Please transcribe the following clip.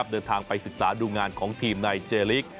เดินทางไปศึกษาดูงานของทีมในเจลิก